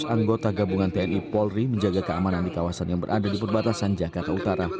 dua ratus anggota gabungan tni polri menjaga keamanan di kawasan yang berada di perbatasan jakarta utara